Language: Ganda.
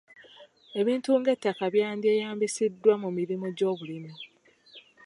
Ebintu ng'ettaka byandyeyambisiddwa mu mirimu gy'obulimi.